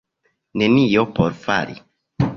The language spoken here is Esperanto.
Nenio por fari.